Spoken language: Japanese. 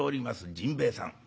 甚兵衛さん。